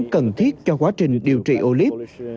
cần thiết cho quá trình điều trị olip